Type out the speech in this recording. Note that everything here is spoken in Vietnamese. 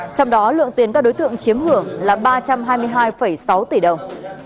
trong đó lượng tiền các đối tượng chiếm hưởng là ba trăm hai mươi hai sáu tỷ đồng